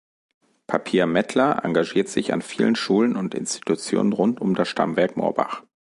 Papier-Mettler engagiert sich an vielen Schulen und Institutionen rund um das Stammwerk Morbach.